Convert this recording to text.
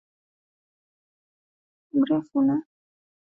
wa Amazon Umepata asilimia hamsini mrefu na